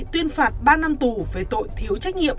tuyên phạt ba năm tù về tội thiếu trách nhiệm